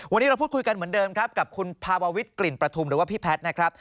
วันนี้เราพูดคุยกันเหมือนเดิมครับกับคุณภาววิทย์กลิ่นประทุมหรือว่าพี่แพทย์นะครับ